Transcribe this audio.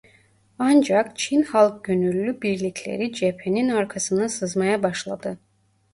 Ancak Çin Halk Gönüllü birlikleri cephenin arkasına sızmaya başladı.